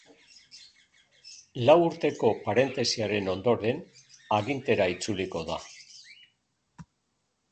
Lau urteko parentesiaren ondoren, agintera itzuliko da.